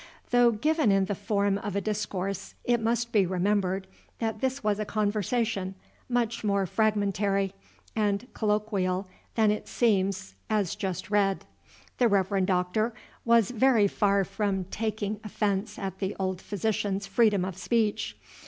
Though given in the form of a discourse, it must be remembered that this was a conversation, much more fragmentary and colloquial than it seems as just read. The Reverend Doctor was very far from taking offence at the old physician's freedom of speech.